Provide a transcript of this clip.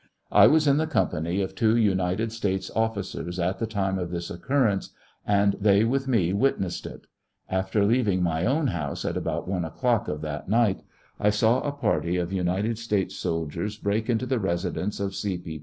1 was in the company of two United States officers at the time of this occurrence, and they with me witness ed it. After leaving my own house, at about 1 o'clock of that night, I saw a party of United States soldiers break intd the residence of C. P.